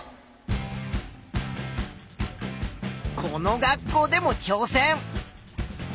この学校でもちょう戦。